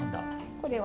これは？